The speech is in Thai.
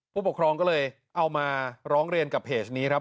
ผู้ปกครองก็เลยเอามาร้องเรียนกับเพจนี้ครับ